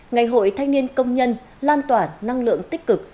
ngày hội thanh niên công nhân lan tỏa năng lượng tích cực